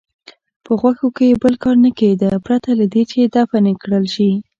په غوښو یې بل کار نه کېده پرته له دې چې دفن کړل شي.